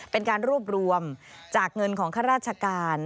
เป็นการรวบรวมจากเงินของข้าราชการ